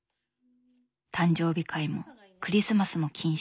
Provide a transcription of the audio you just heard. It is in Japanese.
誕生日会もクリスマスも禁止。